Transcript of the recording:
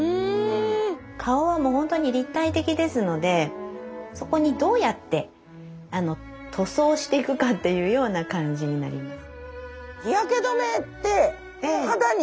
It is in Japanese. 顔はもう本当に立体的ですのでそこにどうやって塗装していくかっていうような感じになります。